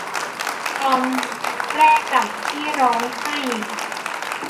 ตอนแรกจากที่ร้องให้